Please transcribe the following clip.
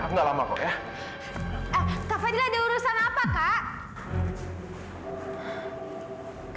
nggak lama kok ya kafadil ada urusan apa kak